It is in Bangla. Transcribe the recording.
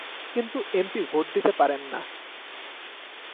কিন্তু এম পি ভোট দিতে পারেন না।